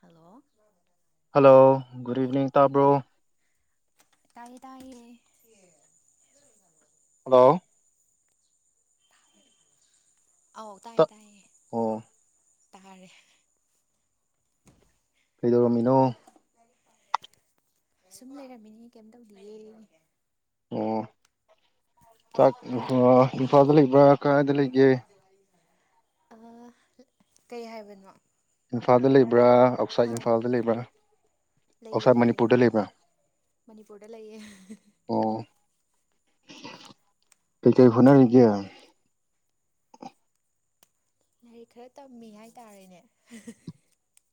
hello hello good evening ꯇꯥꯕ꯭ꯔꯣ ꯇꯥꯏ ꯇꯥꯏ ꯍꯜꯂꯣ ꯑꯥꯎ ꯇꯥꯏꯌꯦ ꯇꯥꯏꯌꯦ ꯑꯣ ꯇꯥꯔ ꯀꯩꯗꯧꯔꯝꯃꯤꯅꯣ ꯁꯨꯝ ꯂꯩꯔꯝꯃꯤꯅꯦ ꯀꯩꯝ ꯇꯧꯗꯤꯌꯦꯦ ꯑꯣ ꯆꯥꯛ ꯏꯝꯐꯥꯜꯗ ꯂꯩꯕ꯭ꯔꯥ ꯀꯗꯥꯥꯏꯗ ꯂꯩꯒꯦ ꯑ ꯀꯩ ꯍꯥꯏꯕꯅꯣ ꯏꯝꯐꯥꯜꯗ ꯂꯩꯕ꯭ꯔꯥ ꯑꯥꯎꯠꯁꯥꯏꯠ ꯑꯧ ꯏꯝꯐꯥꯜꯗ ꯂꯩꯕ꯭ꯔꯥ ꯂꯩꯌꯦ ꯑꯥꯎꯠꯁꯥꯏꯠ ꯂꯩꯌꯦ ꯃꯅꯤꯄꯨꯔꯗ ꯂꯩꯕ꯭ꯔꯥ ꯃꯅꯤꯄꯨꯔꯗ ꯂꯩꯌꯦ ꯑꯣ ꯀꯩꯀꯩ ꯐꯅꯅꯤꯒꯦ ꯂꯥꯏꯔꯤꯛ ꯈꯔ ꯇꯝꯃꯤ ꯍꯥꯏꯇꯥꯔꯦꯅꯦ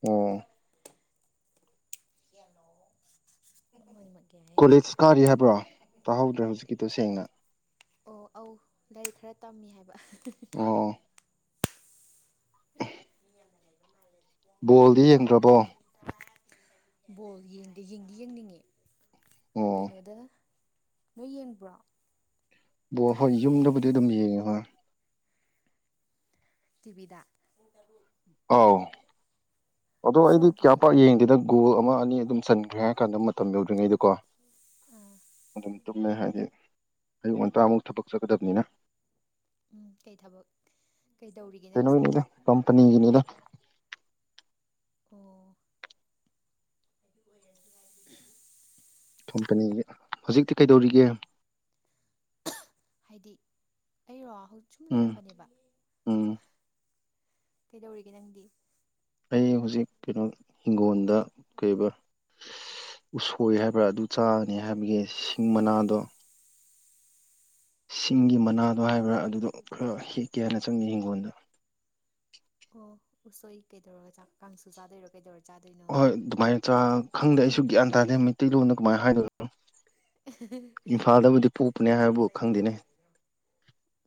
ꯑꯣ ꯃꯅꯤ ꯃꯅꯤ ꯀꯣꯂꯦꯖ ꯀꯥꯔꯤ ꯍꯥꯏꯕ꯭ꯔꯣ ꯇꯥꯍꯧꯗ꯭ꯔꯦ ꯍꯧꯖꯤꯛꯀꯤꯗꯣ ꯁꯦꯡꯅ ꯑꯣ ꯑꯧ ꯂꯥꯏꯔꯤꯛ ꯈꯔ ꯇꯝꯃꯤ ꯍꯥꯏꯕ ꯑꯣ ꯕꯣꯜꯗꯤ ꯌꯦꯡꯗ꯭ꯔꯕꯣ ꯕꯣꯜ ꯌꯦꯡꯗꯤ ꯌꯦꯡꯅꯤꯡꯉꯤ ꯑꯣ ꯀꯩꯅꯣꯗ ꯅꯣꯏ ꯌꯦꯟꯕ꯭ꯔꯥ ꯕ ꯍꯣꯏ ꯌꯨꯝꯗꯕꯨꯗꯤ ꯑꯗꯨꯝ ꯌꯦꯡꯉꯤ ꯍꯣꯏ ꯇꯤꯕꯤꯤꯗ ꯑꯥꯎ ꯑꯗꯣ ꯑꯩꯗꯤ ꯐꯣꯟꯗꯗꯤ ꯀꯌꯥ ꯄꯥꯛ ꯌꯦꯡꯗꯦꯗꯪ ꯒꯣꯒꯣꯜ ꯑꯃ ꯑꯅꯤ ꯑꯗꯨꯝ ꯆꯟꯈ꯭ꯔꯦ ꯍꯥꯏꯔ ꯀꯥꯟꯗ ꯃꯇꯝ ꯌꯧꯗ꯭ꯔꯤꯉꯩꯗꯀꯣ ꯑꯥ ꯑꯗꯨꯝ ꯇꯨꯝꯃꯦ ꯍꯥꯏꯕꯗꯤ ꯑꯌꯨꯛ ꯉꯟꯇꯥꯃꯨꯛ ꯊꯕꯛ ꯆꯠꯀꯗꯕꯅꯤꯅ ꯎꯝ ꯀꯩ ꯊꯕꯛ ꯀꯩꯗꯧꯔꯤꯒꯦ ꯅꯪꯁꯦ ꯄꯅꯤꯡꯉꯗ ꯑꯣ ꯑꯣꯏ ꯀꯝꯄꯅꯤꯒꯤ ꯍꯧꯖꯤꯛꯇꯤ ꯀꯩꯗꯧꯔꯤꯒꯦ ꯍꯥꯏꯗꯤ ꯑꯩꯔꯣ ꯍꯧꯖꯤꯛ ꯁꯨꯝ ꯎꯝ ꯂꯩꯔꯝꯕꯅꯦꯕ ꯎꯝ ꯀꯩꯗꯧꯔꯤꯒꯦ ꯅꯪꯗꯤ ꯑꯩ ꯍꯧꯖꯤꯛ ꯀꯩꯅꯣ ꯍꯤꯡꯒꯣꯜꯗ ꯀꯩꯔꯤꯕ ꯎꯁꯣꯏ ꯍꯥꯏꯕ꯭ꯔꯥ ꯑꯗꯨ ꯆꯥꯒꯅꯤ ꯍꯥꯏꯕꯒꯤ ꯁꯤꯡ ꯃꯅꯥꯗꯣ ꯁꯤꯡꯒꯤ ꯃꯅꯥꯗꯣ ꯍꯥꯏꯕ꯭ꯔꯥ ꯑꯗꯨꯗꯣ ꯈꯔ ꯍꯦꯛꯀꯦ ꯍꯥꯏꯅ ꯆꯪꯉ ꯍꯤꯡꯒꯣꯜꯗ ꯑꯣ ꯎꯁꯣꯏ ꯀꯩꯗꯧꯔꯒ ꯀꯥꯡꯁꯨ ꯆꯥꯗꯣꯏꯔꯣ ꯀꯩꯗꯧꯔꯦ ꯍꯣꯏ ꯑꯗꯨꯃꯥꯏꯅ ꯈꯪꯗꯦ ꯑꯩꯁꯨ ꯒ꯭ꯌꯥꯟ ꯇꯥꯗꯦ ꯃꯩꯇꯩꯂꯣꯟꯗ ꯀꯃꯥꯏꯅ ꯍꯥꯏꯗꯣꯏꯅꯣ ꯏꯝꯐꯥꯜꯗꯕꯨꯗꯤ ꯄꯣꯛꯄꯅꯦ ꯍꯥꯏꯕꯕꯨ ꯈꯪꯗꯦꯅꯦ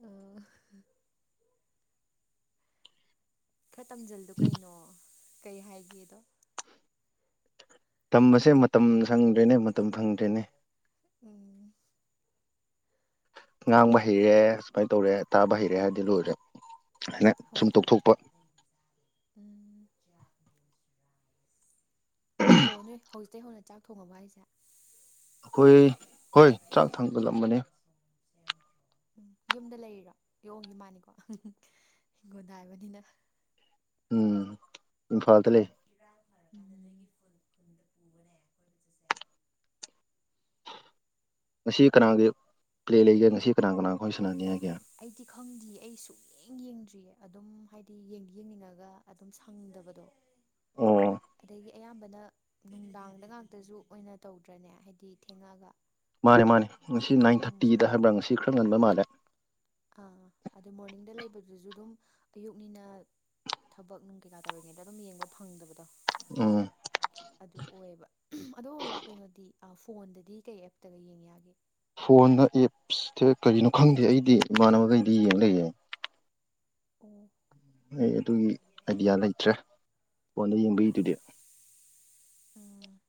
ꯑꯣ ꯈꯔ ꯇꯝꯁꯤꯜꯗꯨꯣ ꯀꯩꯅꯣ ꯀꯩ ꯍꯥꯏꯒꯦꯗꯣ ꯇꯝꯕꯁꯦ ꯃꯇꯝ ꯁꯪꯗ꯭ꯔꯦꯅꯦ ꯃꯇꯝ ꯐꯪꯗ꯭ꯔꯦꯅꯦ ꯎꯝ ꯉꯥꯡꯕ ꯍꯩꯔꯦ ꯁꯨꯃꯥꯏꯅ ꯇꯧꯔꯦ ꯇꯥꯕ ꯍꯩꯔꯦ ꯍꯥꯏꯔꯗꯤ ꯂꯣꯏꯔꯦ ꯍꯥꯏꯅ ꯍꯣꯏ ꯁꯨꯝ ꯑꯗꯨꯕꯨꯗꯤ ꯇꯧꯊꯣꯛꯄ ꯎꯝ ꯑꯣ ꯅꯣꯏ ꯍꯧꯖꯤꯛꯇꯇꯩ ꯍꯧꯅ ꯆꯥꯛ ꯊꯣꯡꯉꯕ ꯍꯥꯏꯁꯦ ꯑꯩꯈꯣꯏ ꯍꯣꯏ ꯆ꯭ꯔꯥꯛ ꯊꯪꯕ ꯂꯝꯝꯕꯅꯤ ꯎꯝ ꯌꯨꯝꯗ ꯂꯩꯔꯤꯔꯣ ꯌꯣ ꯏ ꯃꯥꯅꯤꯀꯣ ꯍꯤꯡꯒꯣꯟꯜꯗ ꯍꯥꯏꯕꯅꯤꯅ ꯎꯝ ꯐꯜ ꯂꯩ ꯉꯁꯤ ꯀꯅꯥꯒꯤ ꯄꯔꯦ ꯂꯩꯒꯦ ꯉꯁꯤ ꯀꯅꯥ ꯀꯅꯥꯈꯣꯏ ꯁꯅꯥꯅꯤꯡ ꯍꯥꯏꯒꯦ ꯑꯩꯗꯤ ꯈꯪꯗꯦ ꯑꯩ ꯁꯨꯛꯌꯦꯡ ꯌꯦꯡꯗ꯭ꯔꯤꯌꯦ ꯑꯗꯨꯝ ꯍꯥꯏꯗꯤ ꯌꯦꯡꯗꯤ ꯌꯦꯡꯅꯤꯡꯉꯒ ꯑꯗꯨꯝ ꯁꯪ ꯑꯣ ꯗꯒꯤ ꯑꯌꯥꯝꯕꯅ ꯅꯨꯡꯗꯥꯡꯗ ꯉꯥꯛꯇꯁꯨ ꯑꯣꯏꯅ ꯇꯧꯗ꯭ꯔꯅꯦ ꯍꯥꯏꯕꯗꯤ ꯊꯦꯡꯉꯛꯑꯒ ꯃꯥꯅꯦ ꯃꯥꯅꯦ ꯉꯁꯤ ꯅꯥꯏꯟ ꯎꯝ ꯊꯥꯔꯇꯤꯗ ꯍꯥꯏꯕ꯭ꯔꯥ ꯉꯁꯤ ꯈꯔ ꯉꯟꯕ ꯃꯥꯜꯂꯦ ꯑꯥ ꯑꯗꯨꯗ ꯃꯣꯔꯅꯤꯡꯗ ꯂꯩꯕꯗꯨꯁꯨ ꯑꯗꯨꯝ ꯑꯌꯨꯛꯅꯤꯅ ꯊꯕꯛ ꯅꯨꯡ ꯀꯩꯀꯥ ꯇꯧꯔꯤꯉꯩꯗ ꯑꯗꯨꯝ ꯌꯦꯡꯕ ꯐꯪꯗꯕꯗꯣ ꯎꯝ ꯑꯗꯨ ꯑꯣꯏꯌꯦꯕ ꯑꯗꯣ ꯀꯩꯅꯣꯗꯤ ꯐꯣꯟꯗꯗꯤ ꯀꯩ ꯑꯦꯞꯇꯒ ꯌꯦꯡꯉꯦ ꯌꯥꯒꯦ ꯐꯣꯟꯅ ꯑꯦꯞꯁꯇꯦ ꯀꯔꯤꯅꯣ ꯈꯪꯗꯦ ꯑꯩꯗꯤ ꯏꯃꯥꯟꯅꯕꯈꯩꯗꯤ ꯌꯦꯡ ꯂꯩꯌꯦꯦ ꯑꯣ ꯑꯩ ꯑꯗꯨꯒꯤ ꯑꯥꯏꯗꯤꯌꯥ ꯂꯩꯇ꯭ꯔꯦ ꯐꯣꯟꯗ ꯑꯣ ꯑꯣ ꯌꯦꯡꯕꯒꯤꯗꯨꯗꯤ ꯎꯝ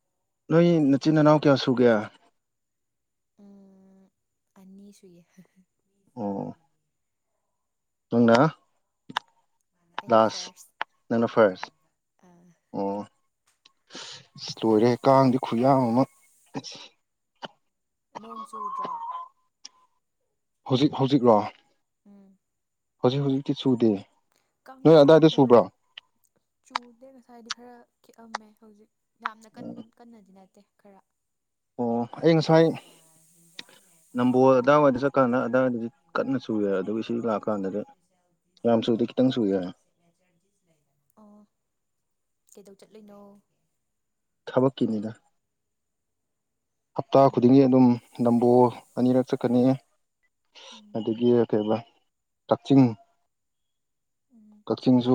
ꯅꯣꯏ ꯅꯆꯤꯟ ꯏꯅꯥꯎ ꯀꯌꯥ ꯁꯨꯒꯦ ꯎꯝ ꯑꯅꯤꯁ ꯑꯣ ꯊꯨꯡꯅ ꯑꯩꯅ ꯂꯥꯁ ꯐꯥꯔꯁ ꯅꯅ ꯐꯥꯔꯁ ꯑꯣ ꯂꯣꯏꯔꯦ ꯀꯥꯡꯗꯤ ꯈꯨꯌꯥ ꯑꯃ ꯅꯣꯡ ꯆꯨꯗ꯭ꯔꯥ ꯍꯧꯖꯤꯛ ꯍꯧꯖꯤꯛꯔꯣ ꯎꯝ ꯍꯧꯖꯤꯛ ꯍꯧꯖꯤꯛꯇꯤ ꯆꯨꯗꯦ ꯀ ꯅꯣꯏ ꯌꯥꯝ ꯑꯗꯥꯏꯗ ꯆꯨꯕ꯭ꯔꯣ ꯍꯧꯋꯕ ꯆꯗ ꯉꯁꯥꯏꯗꯤ ꯈꯔ ꯈꯤꯛꯑꯝꯃꯦ ꯍꯧꯖꯤꯛ ꯌꯥꯝꯅ ꯀꯟꯕ ꯀꯟꯅꯗꯤ ꯅꯠꯇꯦ ꯈꯔ ꯑꯣ ꯑꯩ ꯉꯁꯥꯏ ꯅꯝꯕꯣꯜ ꯑꯗꯨꯗꯥꯏꯋꯥꯏꯗ ꯆꯠ ꯂꯥꯛ ꯀꯀꯥꯟꯗ ꯑꯗꯥꯋꯥꯏꯗꯗꯤ ꯀꯟꯅ ꯆꯨꯨꯔꯦ ꯑꯗꯨꯒ ꯁꯤ ꯂꯥꯛꯑ ꯀꯥꯟꯗꯗꯤ ꯌꯥꯝ ꯁꯨꯗꯦ ꯈꯤꯇꯪ ꯁꯨꯏꯦ ꯑꯣ ꯀꯩꯗꯧ ꯆꯠꯂꯣꯏꯅꯣ ꯈꯕ ꯀꯅꯤꯅ ꯍꯞꯇꯥ ꯈꯨꯗꯤꯡꯒꯤ ꯎꯝ ꯑꯗꯨꯝ ꯅꯝꯕꯣ ꯑꯅꯤꯔꯛ ꯆꯠꯀꯅꯤ ꯎꯝ ꯑꯗꯒꯤ ꯀꯩꯧꯕ ꯀꯛꯆꯤꯡ ꯎꯝ ꯀꯛꯆꯤꯡꯁꯨ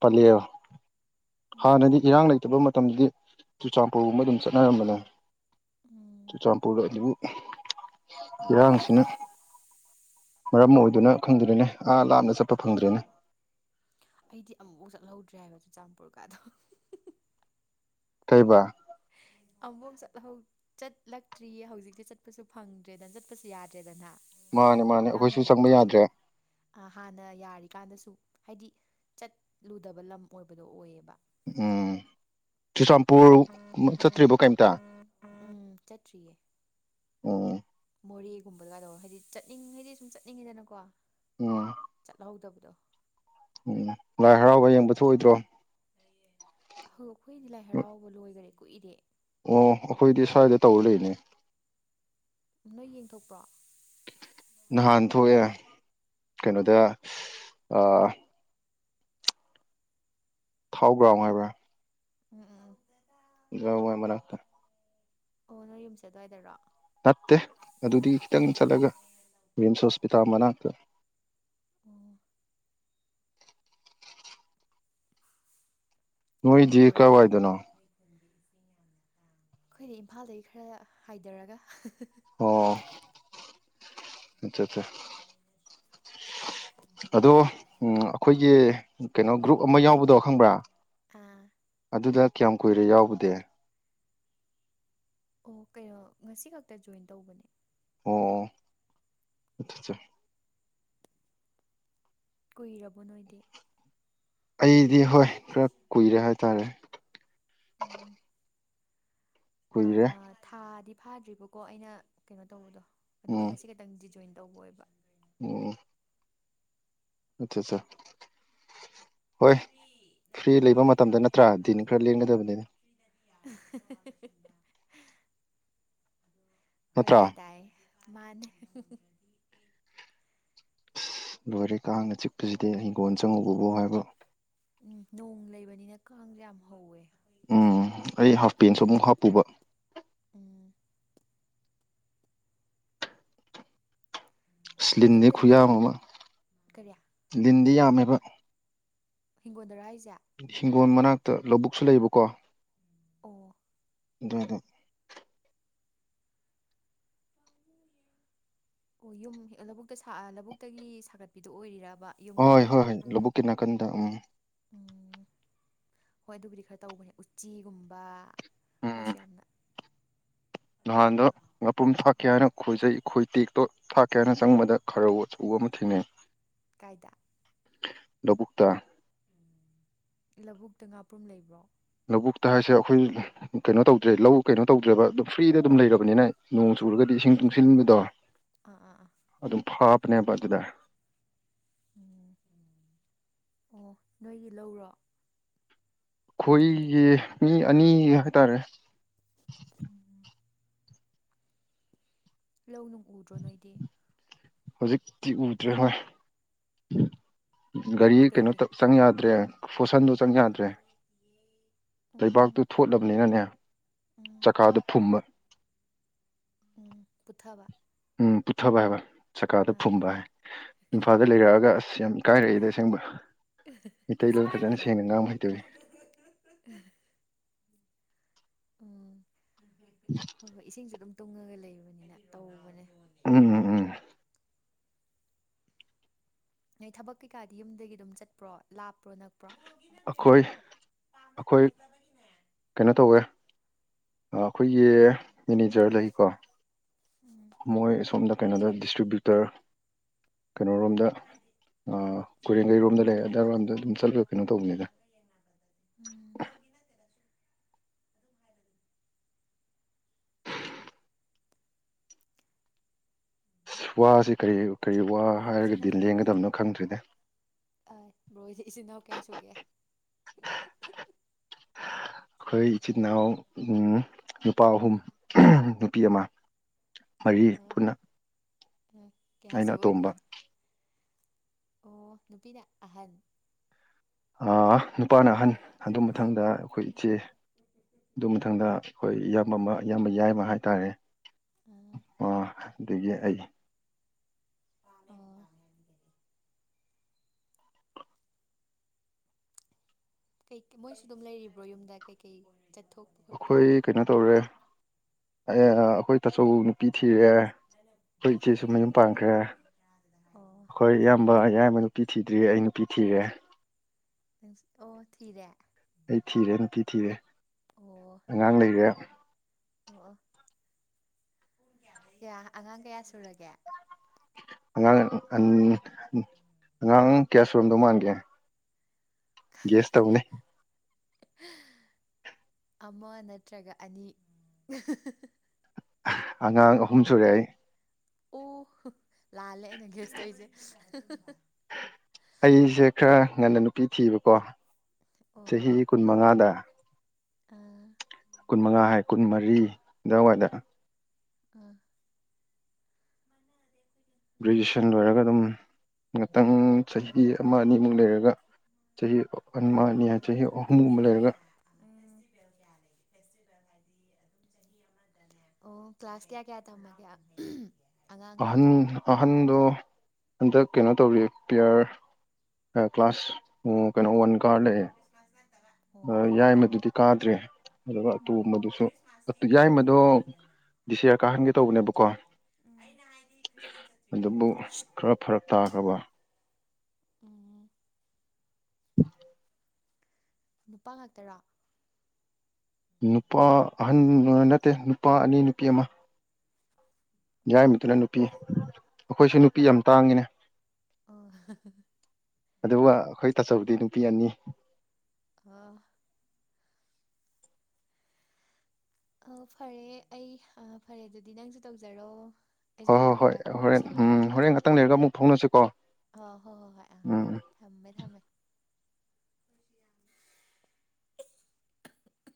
ꯄꯥꯂꯦꯜ ꯎꯝ ꯍꯥꯟꯅꯗꯤ ꯏꯔꯥꯡ ꯂꯩꯇꯕ ꯃꯠ ꯇꯝꯗꯨꯗꯤ ꯆꯨꯔꯆꯥꯟꯄꯨꯔꯒꯨꯝꯕ ꯑꯗꯨꯝ ꯆꯠꯅꯥꯔꯝꯕꯅꯦ ꯎꯝ ꯆꯨꯔꯆꯥꯟꯄꯨꯔꯗ ꯑꯗꯨꯝ ꯏꯔꯥꯡꯁꯤꯅꯥ ꯃꯔꯝ ꯑꯣꯏꯗꯨꯅ ꯈꯪꯗ꯭ꯔꯦꯅꯦ ꯑꯥ ꯂꯥꯞꯅ ꯆꯠꯄ ꯐꯪꯗ꯭꯭ꯔꯦꯅꯦ ꯑꯩꯗꯤ ꯑꯃꯨꯛ ꯆꯠꯍꯧꯗ꯭ꯔꯦ ꯍꯥꯏꯕ ꯆꯨꯔꯆꯥꯟꯄꯨꯔ ꯀꯥꯗꯣ ꯀꯩꯕ ꯑꯃꯨꯛ ꯆꯠꯍꯧ ꯆꯠꯂꯛꯇ꯭ꯔꯤ ꯍꯧꯖꯤꯛꯇꯤ ꯆꯠꯄꯁꯨ ꯐꯪꯗ꯭ꯔꯦꯗꯅ ꯆꯠꯄꯁꯨ ꯌꯥꯗ꯭ꯔꯦꯗꯅ ꯃꯥꯅꯦ ꯃꯥꯅꯦ ꯏꯔꯥꯡ ꯑꯩꯈꯣꯏꯁꯨ ꯆꯪꯕ ꯂꯩꯕꯅꯤꯅ ꯌꯥꯗ꯭ꯔꯦ ꯑꯥ ꯍꯥꯟꯅ ꯌꯥꯔꯤꯀꯥꯟꯗꯁꯨ ꯍꯥꯏꯗꯤ ꯆꯠꯂꯨꯗꯥꯕ ꯂꯝ ꯑꯣꯏꯕꯗꯣ ꯑꯣꯏꯌꯦꯕ ꯎꯝ ꯆꯨꯔꯆꯥꯟꯄꯨꯔ ꯆꯠꯇ꯭ꯔꯤꯕꯣ ꯀꯔꯤꯝꯇꯥ ꯎꯝ ꯆꯠꯇ꯭ꯔꯤꯌꯦ ꯎꯝ ꯒꯨꯝꯕꯗꯥꯏꯗꯣ ꯍꯥꯏꯗꯤ ꯆꯠꯅꯤꯡ ꯍꯥꯏꯗꯤ ꯁꯨꯝ ꯆꯠꯅꯤꯡꯉꯤꯗꯥꯅꯀꯣ ꯎꯝ ꯆꯠꯍꯧꯗꯕꯥꯗꯣ ꯎꯝ ꯂꯥꯏ ꯍꯔꯥꯎꯕ ꯌꯦꯡꯕ ꯊꯣꯛꯑꯣꯏꯗ꯭ꯔꯣ ꯑꯈꯣꯏꯗꯤ ꯂꯥꯏ ꯍꯔꯥꯎꯕ ꯂꯣꯏꯈꯔꯦ ꯀꯨꯏꯔꯦ ꯑꯣ ꯑꯩꯈꯣꯏꯗꯤ ꯁ꯭ꯋꯥꯏꯗ ꯇꯧ ꯂꯩꯅꯦ ꯅꯣꯏ ꯌꯦꯡꯊꯣꯛꯄ꯭ꯔꯣ ꯅꯍꯥꯟ ꯊꯣꯛꯑꯦ ꯀꯩꯅꯣꯗ ꯑꯥ ꯊꯥꯎꯒ꯭ꯔꯥꯎꯝ ꯍꯥꯏꯔ꯭ꯕꯥ ꯎꯝ ꯎꯝ ꯌꯥ ꯃꯔ ꯑꯣ ꯅꯣꯏ ꯌꯨꯝꯁꯦ ꯑꯗꯨꯋꯥꯏꯗꯔꯣ ꯅꯠꯇꯦ ꯑꯗꯨꯗꯤ ꯈꯤꯇꯪ ꯆꯠꯂꯥꯒ ꯔꯤꯝꯁ ꯍꯣꯁꯄꯤꯇꯥꯜ ꯃꯅꯥꯛꯇꯥ ꯑꯣ ꯑꯗꯨꯗꯤ ꯅꯣꯏꯗꯤ ꯄꯨꯔꯥ ꯃꯩ ꯀꯥꯏꯋꯥꯏꯗꯅꯣ ꯑꯩꯈꯣꯏꯗꯤ ꯏꯝꯐꯥꯜꯗꯒꯤ ꯈꯔ ꯍꯥꯏꯗꯥꯔꯒ ꯑꯣ ꯑꯆꯠꯆꯥ ꯑꯗꯣ ꯑꯩꯈꯣꯏꯒꯤ ꯀꯩꯅꯣ ꯒ꯭ꯔꯨꯞ ꯑꯃ ꯌꯥꯎꯕꯗꯣ ꯈꯪꯕ꯭ꯔꯥ ꯑꯥ ꯑꯗꯨꯗꯥ ꯀꯌꯥꯝ ꯀꯨꯏꯔꯦ ꯌꯥꯎꯕꯗꯤ ꯑꯣ ꯀꯩꯅꯣ ꯉꯁꯤ ꯈꯛꯇ ꯖꯣꯏꯟ ꯇꯧꯕꯅꯦ ꯑꯣ ꯑꯆꯠꯆꯥ ꯀꯨꯏꯔꯕꯣ ꯅꯣꯏꯗꯤ ꯑꯩꯗꯤ ꯍꯣꯏ ꯈꯔ ꯀꯨꯏꯔꯦ ꯍꯥꯏꯇꯥꯔꯦ ꯎꯝ [unintelligible] ꯀꯨꯏꯔꯦ ꯑꯥ ꯊꯥꯗꯤ ꯐꯥꯗ꯭ꯔꯤꯕꯀꯣ ꯑꯩꯅ ꯀꯩꯅꯣ ꯇꯧꯕꯗꯣ ꯑꯗꯨꯒ ꯎꯝ ꯉꯁꯤꯈꯇꯪꯗꯤ ꯖꯣꯏꯟ ꯇꯧꯕ ꯑꯣꯏꯕ ꯎꯝ ꯑꯆꯠꯆꯥ ꯍꯣꯏ ꯐ꯭ꯔꯤ ꯂꯩꯕ ꯃꯇꯝꯗ ꯅꯠꯇ꯭ꯔꯥ ꯗꯤꯟ ꯈꯔ ꯂꯦꯡꯒꯗꯕꯅꯦ [unintelligible] ꯍꯣꯏ ꯅꯠꯇ꯭ꯔꯥ ꯍꯥꯏ ꯇꯥꯏ ꯃꯥꯅꯦ ꯂꯣꯏꯔꯦ ꯀꯥꯡꯅ ꯆꯤꯛꯄꯁꯤꯗꯤ ꯍꯤꯡꯒꯣꯜ ꯆꯪꯉꯨꯕꯥꯕꯨ ꯍꯥꯏꯕ ꯎꯝ ꯅꯣꯡ ꯂꯩꯕꯥꯅꯤꯅ ꯀꯥꯡꯁꯨꯦ ꯌꯥꯝ ꯍꯧꯋꯦ ꯎꯝ ꯑꯩ ꯍꯥꯞ ꯄꯦꯟꯁꯨ ꯑꯃꯨꯛ ꯍꯥꯞꯄꯨꯕ ꯎꯝ ꯂꯤꯟꯗꯤ ꯈꯨꯌꯥ ꯌꯨꯝꯗꯒꯤ ꯑꯗꯨꯝ ꯑꯃ ꯀꯔꯤ ꯂꯤꯟꯗꯤ ꯌꯥꯝꯃꯦꯕ ꯍꯤꯡꯒꯣꯟꯗꯔꯥ ꯍꯥꯏꯖ ꯍꯤꯡꯒꯣꯜ ꯃꯅꯥꯛꯇ ꯂꯧꯕꯨꯛꯁꯨ ꯂꯩꯕꯀꯣ ꯑꯣ ꯗꯨꯗ ꯑꯣ ꯌꯨꯝ ꯂꯧꯕꯨꯛꯇ ꯂꯧꯕꯨꯛꯇꯒꯤ ꯁꯥꯒꯠꯄꯤꯗꯣ ꯑꯣꯏꯔꯤꯔꯥ ꯍꯣꯏ ꯍꯣꯏ ꯍꯣꯏ ꯂꯧꯕꯨꯛꯀꯤ ꯅꯥꯀꯟꯗ ꯎꯝ ꯎꯝ ꯍꯣꯏ ꯑꯗꯨꯕꯨꯗꯤ ꯈꯔ ꯇꯧꯕꯅꯦ ꯎꯆꯤꯒꯨꯝꯕ ꯀꯩꯁꯨ ꯌꯥꯝꯅ ꯅꯍꯥꯟꯗꫭ ꯉꯥꯄꯔꯨ꯭ꯝ ꯊꯥꯛꯀꯦ ꯍꯥꯏꯅ ꯈꯣꯏꯖꯩ ꯈꯣꯏ ꯇꯦꯛꯇꯣ ꯊꯥꯛꯀꯦ ꯍꯥꯏꯅ ꯆꯪꯕꯗ ꯈꯥꯔꯧ ꯑꯆꯧꯕ ꯑꯃ ꯊꯦꯡꯅꯩ ꯀꯥꯏꯗ ꯂꯕꯨꯛꯇ ꯂꯕꯨꯛꯇ ꯉꯥꯄ꯭ꯔꯨꯝ ꯂꯩꯕ꯭ꯔꯣ ꯂꯕꯨꯛꯇ ꯍꯥꯏꯁꯦ ꯑꯩꯈꯣꯏ ꯀꯩꯅꯣ ꯇꯧꯗ꯭ꯔꯦ ꯂꯧ ꯀꯩꯅꯣ ꯇꯧꯗ꯭ꯔꯦꯕ ꯑꯗꯨꯝ ꯐ꯭ꯔꯤꯗ ꯑꯗꯨꯝ ꯂꯩꯔꯕꯅꯤꯅ ꯅꯣꯡ ꯆꯨꯔꯒꯗꯤ ꯏꯁꯤꯡ ꯇꯨꯡꯁꯤꯟꯕꯗꯣ ꯑꯥ ꯑꯥ ꯑꯥ ꯑꯗꯨꯅꯦꯕ ꯑꯗꯨꯗ ꯎꯝ ꯑꯣ ꯅꯣꯏꯒꯤ ꯂꯧꯔꯣ ꯃꯤꯒꯤ ꯑꯩꯈꯣꯏꯒꯤ ꯃꯤ ꯑꯅꯤ ꯍꯥꯏꯇꯥꯔꯦ ꯂꯧ ꯅꯨꯡ ꯎꯗ꯭ꯔꯣ ꯅꯣꯏꯗꯤ ꯍꯧꯖꯤꯛꯇꯤ ꯎꯗ꯭ꯔꯦ ꯍꯣꯏ ꯒꯥꯔꯤ ꯀꯩꯅꯣ ꯀꯩꯒꯤ ꯇꯧ ꯆꯪ ꯌꯥꯗ꯭ꯔꯦ ꯐꯣꯔꯁꯟꯗꫭ ꯆꯪ ꯌꯥꯗ꯭ꯔꯦ ꯂꯩꯩꯕꯥꯛꯇꯨ ꯎꯝ ꯊꯣꯠꯂꯕꯅꯤꯅꯅꯦ ꯎꯝ ꯆꯀꯥꯗꯨ ꯐꯨꯝꯕ ꯎꯝ ꯄꯨꯠꯊꯥꯕ ꯎꯝ ꯄꯨꯊꯕ ꯍꯥꯏꯕ ꯆꯀꯥꯗ ꯐꯨꯝꯕ ꯏꯝꯐꯥꯜꯗ ꯂꯩꯔꯛꯑꯒ ꯑꯁ ꯌꯥꯝ ꯏꯀꯥꯏꯔꯛꯏꯗ ꯑꯁꯦꯡꯕ ꯀꯩꯁꯨ ꯃꯩꯇꯩꯂꯣꯟ ꯐꯖꯅ ꯀꯥꯏꯗꯦꯗ ꯁꯦꯡꯅ ꯉꯥꯡꯕ ꯍꯩꯇꯕꯒꯤ [inaudible] ꯎꯝ ꯍꯣꯏ ꯍꯣꯏ ꯏꯁꯤꯡꯖꯨ ꯑꯗꯨꯝ ꯇꯨꯡꯉꯒ ꯂꯩꯕꯅꯤꯅ ꯇꯧꯕꯅꯦ ꯎꯝ ꯎꯝ ꯅꯣꯏ ꯊꯕꯛ ꯀꯩꯀꯥꯗꯤ ꯌꯨꯝꯗꯒꯤ ꯑꯗꯨꯝ ꯆꯠꯄ꯭ꯔꯣ ꯂꯥꯞꯄ꯭ꯔꯣ ꯅꯛ ꯑꯩꯈꯣꯏ ꯑꯩꯈꯣꯏ ꯀꯩꯅꯣ ꯇꯧꯋꯦ ꯑꯩꯈꯣꯏꯒꯤ ꯃꯦꯅꯦꯖꯔ ꯂꯩꯀꯣ ꯎꯝ ꯃꯣꯏ ꯑꯁꯣꯝꯗ ꯀꯩꯅꯣꯗ ꯗꯤꯁꯇ꯭ꯔꯤꯕꯤ꯭ꯌꯨꯇꯔ ꯀꯩꯅꯣꯔꯣꯝꯗ ꯑ ꯀꫭꯏꯔꯦꯡꯒꯩꯔꯣꯝꯗ ꯂꯩ ꯑꯗꯥꯏꯔꯣꯝꯗ ꯑꯗꯨꯝ ꯆꯠꯂ ꯀꯩꯅꯣ ꯇꯧꯕꯅꯤꯗ ꯎꯝ ꯕ꯭ꯔꯣ ꯏꯁ ꯋꯥꯁꯦ ꯀꯔꯤ ꯀꯔꯤ ꯋꯥ ꯍꯣꯏꯗꯤ ꯏꯆꯤꯜ ꯍꯥꯏꯔꯒꯗꯤ ꯂꯦꯡꯒꯗꯕꯅꯣ ꯈꯪꯗ꯭ꯔꯦꯗ ꯑ ꯕꯣꯏꯗꯤ ꯏꯆꯤꯟ ꯅꯥꯎ ꯀꯌꯥ ꯁꯨꯒꯦ ꯑꯩꯈꯣꯏ ꯏꯆꯤꯟ ꯏꯅꯥꯎ ꯎꯝ ꯅꯨꯄꯥ ꯑꯍꯨꯝ ꯅꯨꯄꯤ ꯑꯃ ꯃꯔꯤ ꯄꯨꯟꯅ ꯑꯦ ꯀꯌꯥ ꯑꯩꯅ ꯁꯨꯕ ꯑꯇꯣꯝꯕ ꯑꯣꯏꯗꫭꯏꯅꫭ ꯑꯣ ꯅꯨꯄꯤꯅ ꯑꯍꯟ ꯑꯥ ꯅꯨꯄꯥꯅ ꯑꯍꯟ ꯑꯗꯨ ꯃꯊꯪꯗ ꯑꯩꯈꯣꯏ ꯏꯆꯦ ꯑꯗꯨ ꯃꯊꯪꯗ ꯑꯩꯈꯣꯏ ꯌꯥꯝ ꯑꯃꯝꯃ ꯏꯌꯥꯝꯕ ꯌꯥꯏꯃ ꯍꯥꯏꯇꯥꯔꯦ ꯑꫭ ꯑꯥ ꯑꯗꯒꯤ ꯑꯩ ꯑꯣ ꯀꯩ ꯃꯣꯏꯁꯨ ꯑꯗꯨꯝ ꯂꯩꯔꯤꯕ꯭ꯔꯣ ꯌꯨꯝꯗ ꯀꯩꯀꯩ ꯆꯠꯊꯣꯛꯄ ꯈꯣꯠꯄ ꯑꯩꯈꯣꯏ ꯀꯩꯅꯣ ꯇꯧꯔꯦ ꯑ ꯑꯩꯈꯣꯏ ꯇꯥꯆꯧ ꯅꯨꯄꯤ ꯊꯤ ꯊꯤꯔꯦ ꯑꯩꯈꯣꯏ ꯏꯆꯦꯁꯨ ꯑꯣ ꯃꯌꯨꯝ ꯄꯥꯟꯈ꯭ꯔꯦ ꯑꯣ ꯑꯩꯈꯣꯏ ꯏꯌꯥꯝꯕ ꯑꯩ ꯌꯥꯏꯃ ꯅꯨꯄꯤ ꯊꯤꯗ꯭ꯔꯤ ꯑꯩ ꯅꯨꯄꯤ ꯊꯤꯔꯦ ꯅꯪꯁꯨ ꯑꯣ ꯊꯤꯔꯦ ꯅꯨꯄꯤ ꯊꯤꯔꯦ ꯅꯨꯄꯤ ꯊꯤꯔꯦ ꯑꯉꯥꯡ ꯂꯩꯔꯦ ꯑꫭ ꯀꯌꯥ ꯑꯉꯥꯡ ꯀꯌꯥ ꯁꯨꯔꯒꯦ ꯑꯉꯥꯡ ꯑꯟ ꯑꯉꯥꯡ ꯀꯌꯥ ꯁꯨꯔꯣꯝꯗꯧ ꯃꯥꯟꯒꯦ ꯒꯦꯁ ꯇꯧꯅꯦ ꯑꯃ ꯅꯠꯇ꯭ꯔꯒ ꯑꯅꯤ ꯑꯉꯥꯡ ꯑꯍꯨꯝ ꯁꯨꯔꯦ ꯑꯩ ꯑꯣ ꯂꯥꯜꯂꯦ ꯑꯩꯅ ꯒꯦꯁ ꯑꯣꯏꯁꯦ ꯑꯩꯁꯦ ꯈꯔ ꯉꯟꯅ ꯅꯨꯄꯤ ꯊꯤꯕꯀꯣ ꯆꯍꯤ ꯀꯨꯟꯃꯉꯥꯗ ꯑꯥ ꯀꯨꯟ ꯃꯉꯥ ꯍꯥꯏ ꯀꯨꯟꯃꯔꯤ ꯑꯗꯨꯋꯥꯏꯗ ꯑ ꯒ꯭ꯔꯦꯖꯨꯑꯦꯁꯟ ꯂꯣꯏꯔꯒ ꯑꯗꯨꯝ ꯉꯥꯛꯇꯪ ꯆꯍꯤ ꯑꯃ ꯑꯅꯤꯃꯨꯛ ꯂꯩꯔꯒ ꯆꯍꯤ ꯑꯟꯃꯅ ꯌꯥ ꯆ ꯆꯍꯤꯍꯤꯍꯃ ꯂꯩꯒ [inaudible] ꯑꯥ ꯑꯣ ꯀ꯭ꯂꯥꯁ ꯀꯌꯥ ꯀꯌꯥ ꯊ ꯀꯌꯥ ꯑꯍꯟ ꯑꯍꯟꯗꯣ ꯍꯟꯗꯛ ꯀꯩꯅꯣ ꯇꯧꯔꯤ ꯄꯦꯌꯔ ꯀ꯭ꯂꯥꯁ ꯀꯩꯅꯣ ꯋꯥꯟ ꯀꯥꯔ ꯂꯩꯌꯦꯦ ꯑꯣ ꯌꯥꯏ ꯃꯗꯨꯗꯤ ꯀꯥꯗ꯭ꯔꯦ ꯑꯗꯨꯒ ꯎꯝ ꯑꯇꯣꯝꯕꯗꯨꯁꯨ ꯌꯥꯏꯃꯗꯣ ꯗꯤꯁꯌꯥꯔ ꯀꯥꯍꯟꯒꯦ ꯇꯧꯕꯅꯦꯕꯀꯣ ꯑꯩꯅ ꯍꯥꯏꯗꯤ ꯈ꯭ꯔꯤꯁꯇꯦꯟ ꯆꯠꯇ꯭ꯔꯤꯉꯩꯒꯤ ꯑꯗꯨꯕꯨ ꯈꯔ ꯐꯔꯛ ꯇꯥꯈ꯭ꯔꯕ ꯎꯝ ꯅꯨꯄꯥ ꯉꯥꯛꯇꯔꯥ ꯅꯨꯄꯥ ꯑꯍꯟ ꯅꯠꯇꯦ ꯅꯨꯄꯥ ꯑꯅꯤ ꯅꯨꯄꯤ ꯑꯃ ꯑꯣ ꯌꯥꯏꯃꯗꯨꯅ ꯅꯨꯄꯤ ꯑꯩꯈꯣꯏꯁꯨ ꯅꯨꯄꯤ ꯌꯥꯝ ꯇꯥꯡꯉꯤꯅꯦ ꯑꯣ ꯑꯗꯨꯒ ꯑꯩꯈꯣꯏ ꯇꯥꯆꯧꯕꯗꯤ ꯅꯨꯄꯤ ꯑꯅꯤ ꯑꯥ ꯑ ꯐꯔꯦ ꯑꯩ ꯐꯔꯦ ꯑꯗꯨꯗꯤ ꯅꯪꯁꯨ ꯇꯧꯖꯔꯣ ꯑꯩꯁꯨ ꯍꯣꯏ ꯍꯣꯏ ꯊꯕꯛ ꯍꯣꯏ ꯀꯩꯀꯥ ꯈꯔ ꯍꯣꯔꯦꯟ ꯎꯝ ꯂꯣꯏꯁꯤꯟꯈꯤꯒꯦ ꯍꯣꯔꯦꯟ ꯉꯥꯛꯇꯪ ꯂꯩꯔꯒ ꯑꯃꯨꯛ ꯐꯥꯎꯅꯁꯤꯀꯣ ꯑ ꯍꯣ ꯍꯣ ꯍꯣꯏ ꯑꯥ ꯎꯝ ꯊꯝꯃꯦ ꯊꯝꯃꯦ